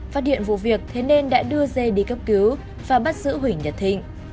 phát hiện vụ việc thế nên đã đưa dê đi cấp cứu và bắt giữ huỳnh nhật thịnh